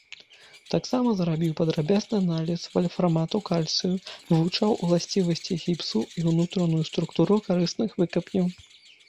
Таксама зрабіў падрабязны аналіз вальфрамату кальцыю, вывучаў ўласцівасці гіпсу і ўнутраную структуру карысных выкапняў.